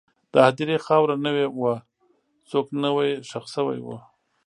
د هدیرې خاوره نوې وه، څوک نوی ښخ شوي وو.